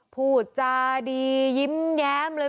พูดจาดียิ้มแย้มเลย